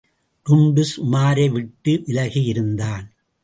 டுன்டுஷ் உமாரை விட்டு விலகியிருந்தான்.